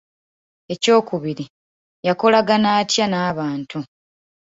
Ekyokubiri, yakolagana atya n'abantu.